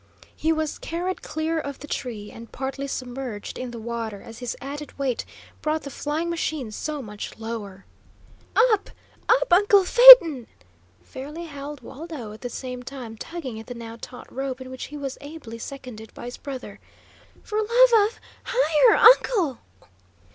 He was carried clear of the tree, and partly submerged in the water as his added weight brought the flying machine so much lower. "Up, up, uncle Phaeton!" fairly howled Waldo, at the same time tugging at the now taut rope, in which he was ably seconded by his brother. "For love of higher, uncle!"